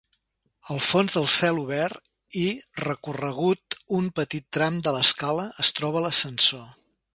Al fons del celobert, i recorregut un petit tram de l'escala, es troba l'ascensor.